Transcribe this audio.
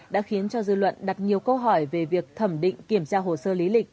đã khiến cho dư luận đặt nhiều câu hỏi về việc thẩm định kiểm tra hồ sơ lý lịch